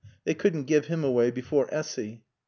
They couldn't give him away before Essy.